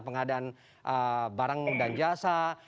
pengadaan barang dan jasa